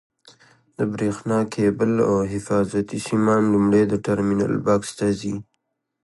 د برېښنا کېبل او حفاظتي سیمان لومړی د ټرمینل بکس ته ځي.